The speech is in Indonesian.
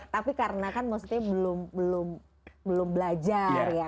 tapi karena kan maksudnya belum belajar ya